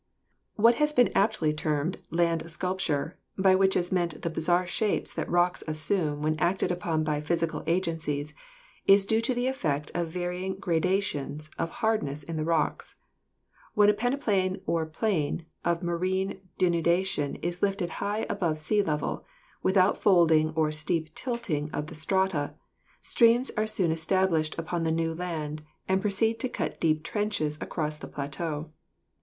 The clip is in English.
What has been aptly termed land sculpture, by which is meant the bizarre shapes that rocks assume when acted upon by physical agencies, is usually due to the effect of varying gradations of hardness in the rocks. When a peneplain or plain of marine denudation is lifted high above sea level, without folding or steep tilting of the strata, streams are soon established upon the new land and proceed to cut deep trenches across the plateau.